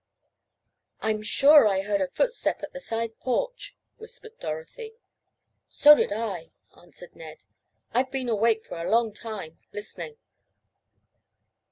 "I'm sure I heard a footstep at the side porch," whispered Dorothy. "So did I," answered Ned. "I've been awake for a long time, listening."